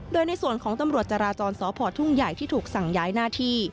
โดยในส่วนของตำรวจจราจรสพทุ่งใหญ่ที่ถูกสั่งย้ายหน้าที่